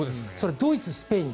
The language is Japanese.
ドイツ、スペインと。